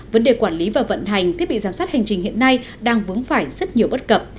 vấn đề quản lý và vận hành thiết bị giám sát hành trình hiện nay đang vướng phải rất nhiều bất cập